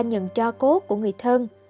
nhận cho cố của người thân